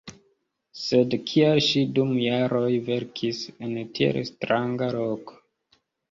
Sed kial ŝi dum jaroj verkis en tiel stranga loko?